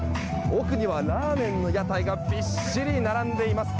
奥にはラーメンの屋台がびっしり並んでいます。